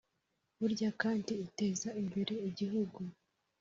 Burya kandi uteza imbere igihugu